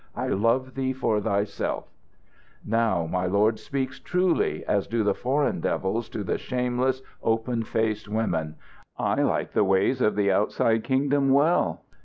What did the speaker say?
I love thee for thyself. "Now my lord speaks truly, as do the foreign devils to the shameless, open faced women. I like the ways of the outside kingdom well.